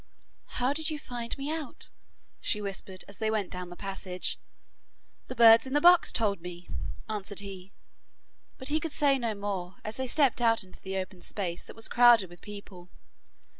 'How did you find me out?' she whispered as they went down the passage. 'The birds in the box told me,' answered he, but he could say no more, as they stepped out into the open space that was crowded with people.